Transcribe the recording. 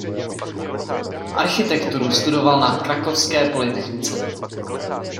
Architekturu studoval na krakovské polytechnice.